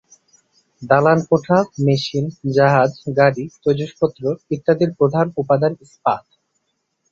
দালান-কোঠা, machine, জাহাজ, গাড়ী, তৈজসপত্র ইত্যাদির প্রধান উপাদান ইস্পাত।